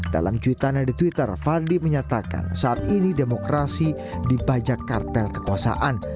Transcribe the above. dalam cuitannya di twitter fadli menyatakan saat ini demokrasi dibajak kartel kekuasaan